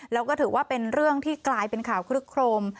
แล้วก็ถือว่าเป็นเรื่องที่กลายเป็นข่าวคลึกโครม